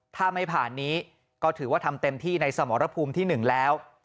ถ้าไม่ผ่านนี้ก็ถือว่าทำเต็มที่ในสมรภูมิที่๑แล้ว